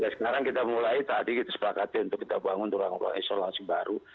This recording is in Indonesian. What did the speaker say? sekarang kita mulai tadi kita sepakati untuk kita bangun ruang ruang isolasi baru